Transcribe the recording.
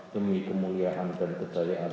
demi kemuliaan dan kejayaan